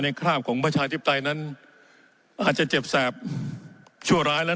คราบของประชาธิปไตยนั้นอาจจะเจ็บแสบชั่วร้ายแล้ว